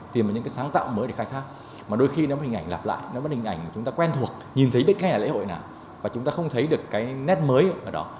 tìm ra những cái sáng tạo mới để khai thác mà đôi khi nó có hình ảnh lặp lại nó có hình ảnh chúng ta quen thuộc nhìn thấy biết cái này là lễ hội nào và chúng ta không thấy được cái nét mới ở đó